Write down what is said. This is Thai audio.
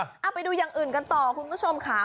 เอาไปดูอย่างอื่นกันต่อคุณผู้ชมค่ะ